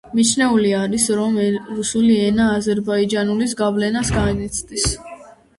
მიჩნეულია რომ რუსული ენა აზერბაიჯანულის გავლენას განიცდის.